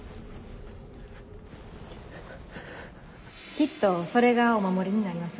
きっとそれがお守りになります。